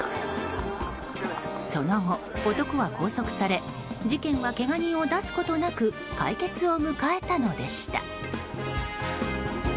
その後、男は拘束され事件はけが人を出すことなく解決を迎えたのでした。